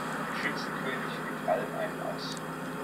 Der Schützenkönig gibt allen einen aus.